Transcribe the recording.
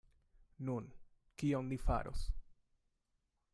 Nun, kion ni faros?